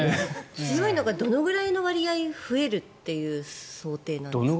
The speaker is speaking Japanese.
強いのがどれぐらいの割合増えるという想定なんですか？